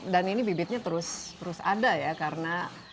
dan ini bibitnya terus ada ya karena